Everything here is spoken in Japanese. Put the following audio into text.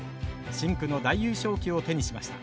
深紅の大優勝旗を手にしました。